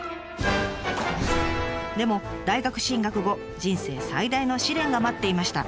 でも大学進学後人生最大の試練が待っていました。